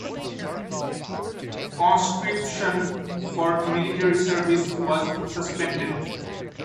Conscription for military service was suspended.